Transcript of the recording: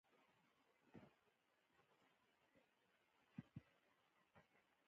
ازادي راډیو د اداري فساد په اړه څېړنیزې لیکنې چاپ کړي.